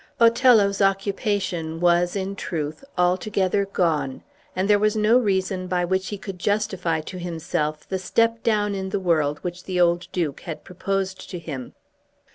Othello's occupation was, in truth, altogether gone, and there was no reason by which he could justify to himself the step down in the world which the old Duke had proposed to him.